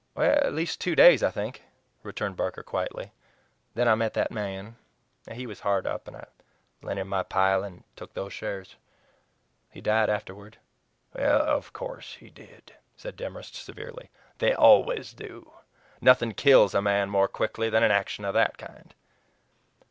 "At least two days, I think," returned Barker quietly. "Then I met that man. He was hard up, and I lent him my pile and took those shares. He died afterward." "Of course he did," said Demorest severely. "They always do. Nothing kills a man more quickly than an action of that kind."